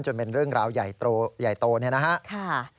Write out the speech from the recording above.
จนเป็นเรื่องราวใหญ่โตนี่นะฮะ